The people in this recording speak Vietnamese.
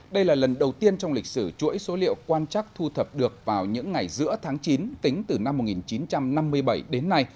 đây là lần đầu tiên trong lịch sử chuỗi số liệu quan chắc thu thập được vào những ngày giữa tháng chín tính từ năm một nghìn chín trăm năm mươi bảy đến nay